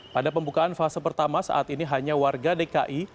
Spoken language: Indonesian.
pada pembukaan fase pertama saat ini hanya warga dki